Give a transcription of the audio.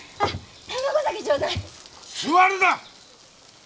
座るな！